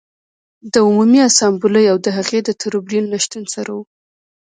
د عمومي اسامبلې او د هغې د ټربیون له شتون سره و